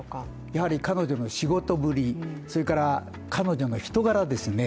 やはり彼女の仕事ぶり、それから彼女の人柄ですよね。